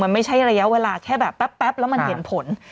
มันไม่ใช่ระยะเวลาแค่แบบแป๊บแล้วมันเห็นผล